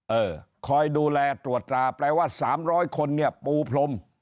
เออคอยดูแลตรวจตราแปลว่า๓๐๐คนเนี่ยปูพรม